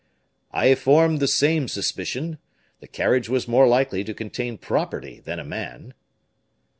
"I formed the same suspicion; the carriage was more likely to contain property than a man."